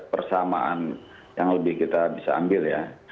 persamaan yang lebih kita bisa ambil ya